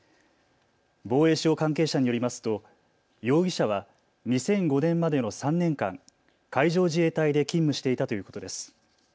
防衛省関係者によりますと容疑者は２００５年までの３年間、海上自衛隊で勤務していたということです。